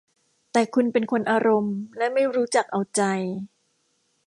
แต่คุณเป็นคนอารมณ์ และไม่รู้จักเอาใจ